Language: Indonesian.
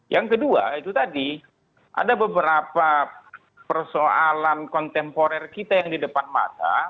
yang kedua itu tadi ada beberapa persoalan kontemporer kita yang di depan mata